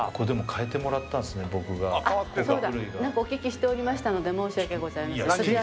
そうだなんかお聞きしておりましたので申し訳ございませんいや